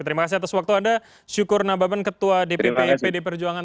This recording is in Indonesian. terima kasih atas waktu anda syukur nababan ketua dpp pd perjuangan